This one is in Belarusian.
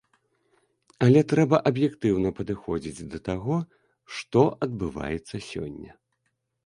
Але трэба аб'ектыўна падыходзіць да таго, што адбываецца сёння.